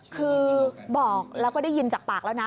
คือบอกแล้วก็ได้ยินจากปากแล้วนะ